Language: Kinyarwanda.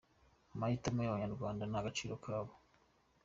amahitamo y’Abanyarwanda ni agaciro kabo.